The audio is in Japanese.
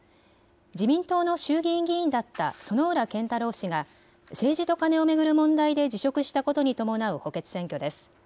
自民党の衆議院議員だった薗浦健太郎氏が政治とカネを巡る問題で辞職したことに伴う補欠選挙です。